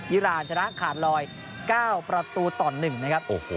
อิราณชนะขาดลอย๙ประตูต่อ๑นะครับ